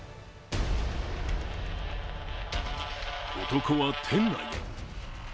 男は店内へ。